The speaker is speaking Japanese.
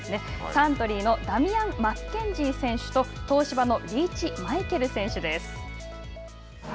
サントリーのダミアン・マッケンジー選手と東芝のリーチマイケル選手です。